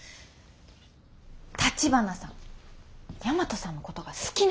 橘さん大和さんのことが好きなんや。